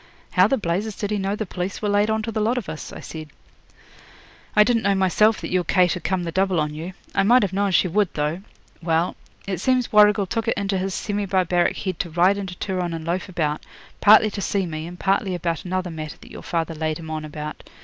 'How the blazes did he know the police were laid on to the lot of us?' I said. 'I didn't know myself that your Kate had come the double on you. I might have known she would, though. Well, it seems Warrigal took it into his semi barbaric head to ride into Turon and loaf about, partly to see me, and partly about another matter that your father laid him on about.